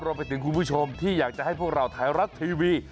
รวมไปถึงคุณผู้ชมที่อยากจะให้พวกเราไทรัตทีวี